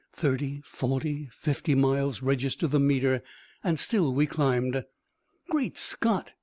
Thirty, forty, fifty miles registered the meter, and still we climbed. "Great Scott!"